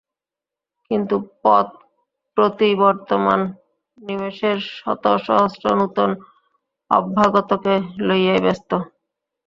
কিন্তু পথ প্রতি বর্তমান নিমেষের শতসহস্র নূতন অভ্যাগতকে লইয়াই ব্যস্ত।